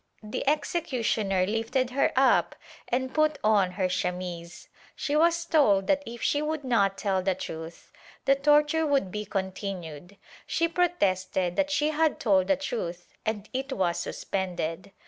The executioner lifted her up and put on her chemise; she was told that if she would not tell the truth the torture would be continued; she protested that she had told the truth and it was suspended.